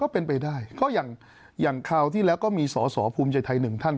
เป็นไปได้ก็อย่างคราวที่แล้วก็มีสอสอภูมิใจไทยหนึ่งท่าน